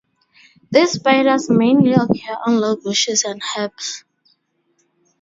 These spiders mainly occur on low bushes and herbs.